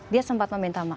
dia sempat meminta maaf